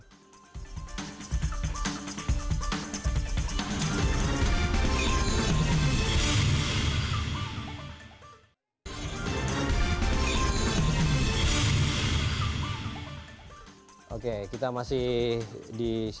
oke kita masih di cnn indonesia prime news dan masih ada bang lukman dan juga bang hadi